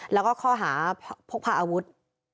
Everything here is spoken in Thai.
แล้วก็ข้อหาพกพาอาวุธ